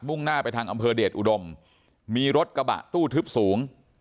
่งหน้าไปทางอำเภอเดชอุดมมีรถกระบะตู้ทึบสูง